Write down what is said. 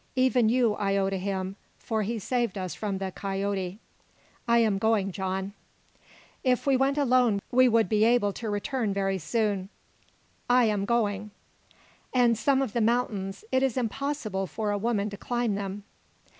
Even you I owe to him for he saved us from the 'coyote.'" "I am going, John." "If we went alone we would be able to return very soon." "I am going." "And some of the mountains it is impossible for a woman to climb them!"